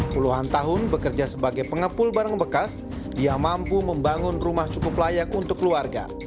puluhan tahun bekerja sebagai pengepul barang bekas dia mampu membangun rumah cukup layak untuk keluarga